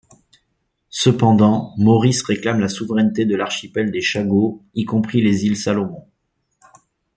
Cependant, Maurice réclame la souveraineté de l'archipel des Chagos, y compris les îles Salomon.